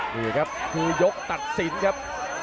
นี่ครับคือยกตัดสินครับ